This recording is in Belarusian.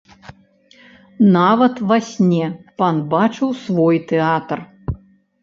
Нават ва сне пан бачыў свой тэатр.